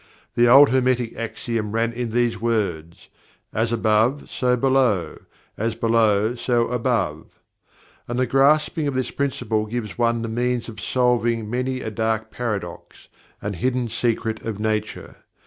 The old Hermetic axiom ran in these words: "As above, so below; as below, so above." And the grasping of this Principle gives one the means of solving many a dark paradox, and hidden secret of Nature.